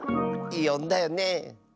よんだよね？